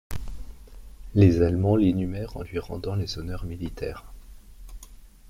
Les Allemands l'inhumèrent en lui rendant les honneurs militaires.